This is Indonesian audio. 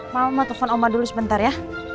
mau menelepon oma dulu sebentar ya